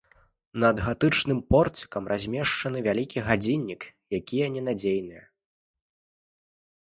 Над гатычным порцікам размешчаны вялікі гадзіннік, якія ненадзейныя.